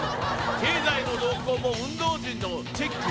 経済の動向も運動時のチェック